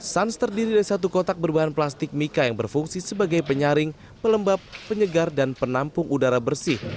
suns terdiri dari satu kotak berbahan plastik mika yang berfungsi sebagai penyaring pelembab penyegar dan penampung udara bersih